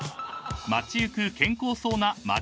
［街行く健康そうな街